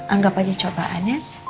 anggap aja cobaannya